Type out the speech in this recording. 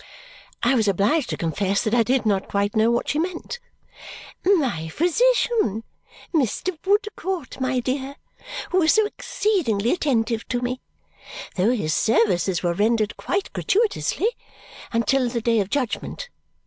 I was obliged to confess that I did not quite know what she meant. "My physician, Mr. Woodcourt, my dear, who was so exceedingly attentive to me. Though his services were rendered quite gratuitously. Until the Day of Judgment.